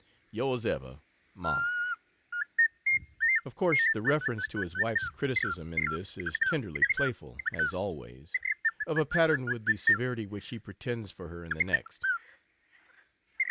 Yours ever, MARK. Of course, the reference to his wife's criticism in this is tenderly playful, as always of a pattern with the severity which he pretends for her in the next.